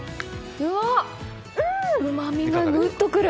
うまみがぐっとくる！